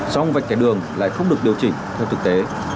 song vạch kẻ đường lại không được điều chỉnh theo thực tế